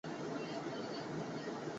增加了画面许多动感